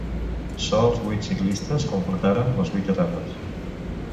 Sols vuit ciclistes completaren les vuit etapes.